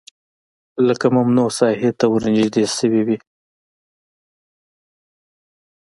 لکه ممنوعه ساحې ته ورنژدې شوی وي